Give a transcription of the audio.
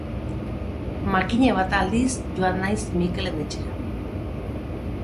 Makina bat aldiz joan naiz Mikelen etxera.